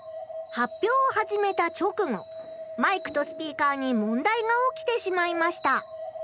発表を始めた直後マイクとスピーカーに問題が起きてしまいました。